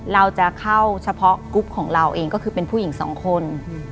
เราจะเข้าเฉพาะกรุ๊ปของเราเองก็คือเป็นผู้หญิงสองคน